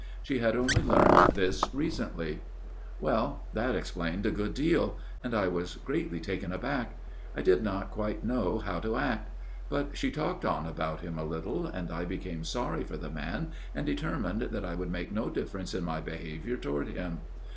She had only learnt this recently. 74 A MIRROR OF SHALOTT " Well, that explained a good deal ; and I was greatly taken aback. I did not quite know how to act. But she talked on about him a little, and I became sorry for the man and determined that I would make no difference in my behaviour toward him.